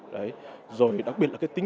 rồi đặc biệt là cái tiến độ đã được bổ sung